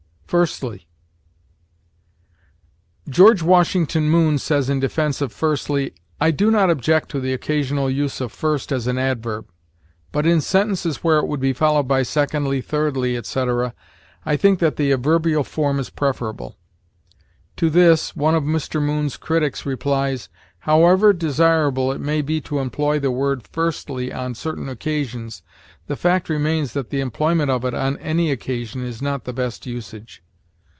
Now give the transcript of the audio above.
FIRSTLY. George Washington Moon says in defense of firstly: "I do not object to the occasional use of first as an adverb; but, in sentences where it would be followed by secondly, thirdly, etc., I think that the adverbial form is preferable." To this, one of Mr. Moon's critics replies: "However desirable it may be to employ the word firstly on certain occasions, the fact remains that the employment of it on any occasion is not the best usage."